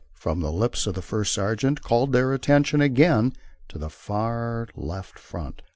from the lips of the first sergeant, called their attention again to the far left front.